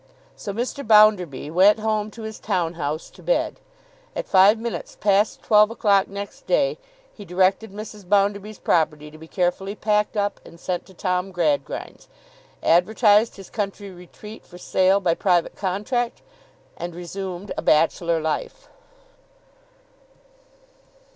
So Mr. Bounderby went home to his town house to bed. At five minutes past twelve o'clock next day, he directed Mrs. Bounderby's property to be carefully packed up and sent to Tom Gradgrind's; advertised his country retreat for sale by private contract; and resumed a bachelor life.